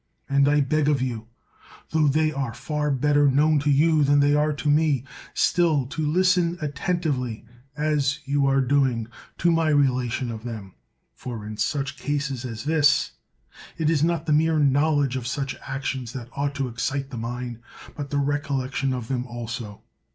And I beg of you, tho they are far better known to you than they are to me, still to listen attentively, as you are doing, to my relation of them. For in such cases as this, it is not the mere knowledge of such actions that ought to excite the mind, but the recollection of them also.